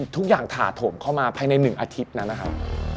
ทุกอย่างถาโถมเข้ามาภายใน๑อาทิตย์นั้นนะครับ